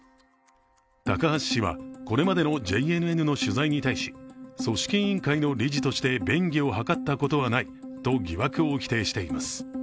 高橋氏は、これまでのＪＮＮの取材に対し組織委員会の理事として便宜を図ったことはないと疑惑を否定しています。